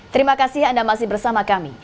terima kasih anda masih bersama kami